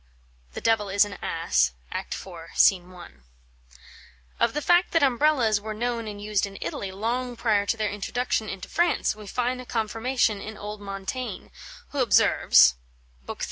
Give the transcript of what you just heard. The Devil is an Ass, Act iv., SC. I. Of the fact that Umbrellas' were known and used in Italy long prior to their introduction into France, we find a confirmation in old Montaigne, who observes, lib.